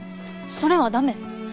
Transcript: それは駄目。